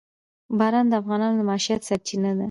باران د افغانانو د معیشت سرچینه ده.